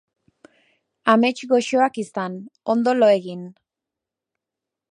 Amets goxoak izan, ondo lo egin!